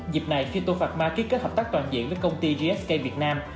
dịp này phyto pharma ký kết hợp tác toàn diện với công ty gsk việt nam